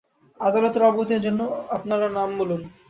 আদালতের অবগতির জন্য আপনার নাম বলুন।